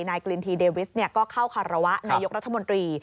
นายกลินทีเดวิสก็เข้าคารวะนายกรัฐมนตรี